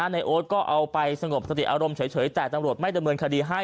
ในโอ๊ตก็เอาไปสงบสติอารมณ์เฉยแต่ตำรวจไม่ดำเนินคดีให้